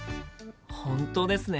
本当ですね。